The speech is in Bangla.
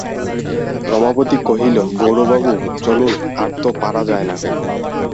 রমাপতি কহিল, গৌরবাবু, চলুন আর তো পারা যায় না।